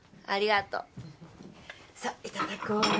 ありがとう。